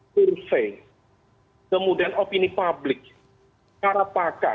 survei kemudian opini publik cara pakar